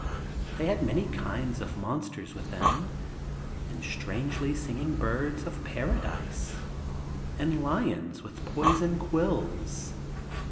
They had many kinds of monsters with them, and strangely singing birds of paradise, and lions with poison quills.